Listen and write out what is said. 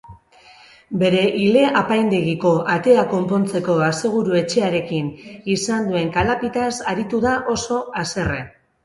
Bere ile apaindegiko atea konpontzeko aseguru-etxearekin izan duen kalapitaz aritu da oso haserre.